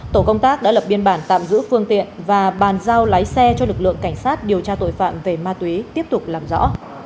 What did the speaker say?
tổ công tác đã lập biên bản tạm giữ phương tiện và bàn giao lái xe cho lực lượng cảnh sát điều tra tội phạm về ma túy tiếp tục làm rõ